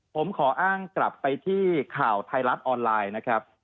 ผมขออ้างกลับไปที่ข่าวไทยรัฐออนไลน์นะครับ